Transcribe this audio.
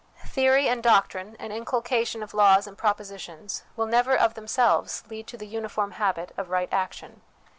... Theory and doctrine, and inculcation of laws and propositions, will never of themselves lead to the uniform habit of right action.